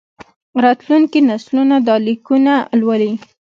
راتلونکي نسلونه دا لیکونه لولي.